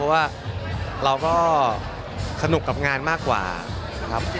เพราะว่าเราก็สนุกกับงานมากกว่าครับ